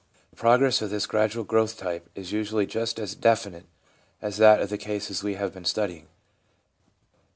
The progress of this gradual growth type is usually just as definite as that of the cases we have been studying.